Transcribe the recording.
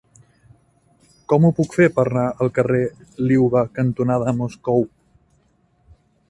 Com ho puc fer per anar al carrer Liuva cantonada Moscou?